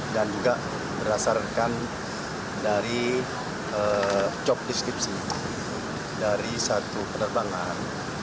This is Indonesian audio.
dan juga berdasarkan dari job deskripsi dari satu penerbangan